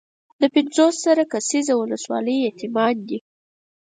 د پنځوس زره کسیزه ولسوالۍ یتیمان دي.